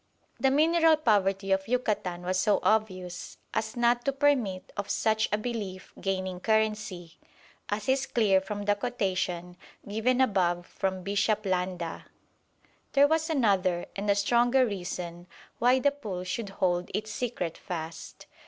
The mineral poverty of Yucatan was so obvious as not to permit of such a belief gaining currency, as is clear from the quotation given above from Bishop Landa. But there was another and a stronger reason why the pool should hold its secret fast.